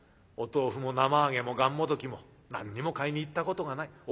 お豆腐も生揚げもがんもどきも何にも買いに行ったことがない。